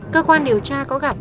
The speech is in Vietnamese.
cơ quan điều tra có gặp